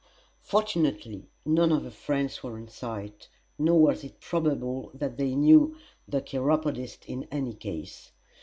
Fortunately none of her friends were in sight, nor was it probable that they knew the chiropodist in any case.